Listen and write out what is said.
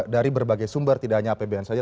dari berbagai sumber tidak hanya apbn saja